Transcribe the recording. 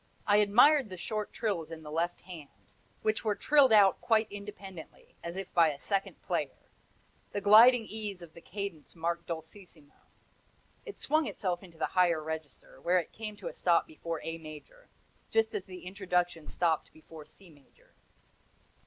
I admired the short trills in the left hand, which were trilled out quite independently, as if by a second player; the gliding ease of the cadence marked dolcissimo. It swung itself into the higher register, where it came to a stop before A major, just as the introduction stopped before C major.